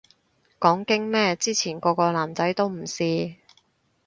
講經咩，之前個個男仔都唔試